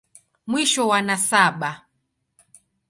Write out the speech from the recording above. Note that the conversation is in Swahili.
Mwisho wa nasaba.